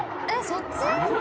そっち！？